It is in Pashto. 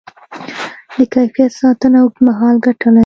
د کیفیت ساتنه اوږدمهاله ګټه لري.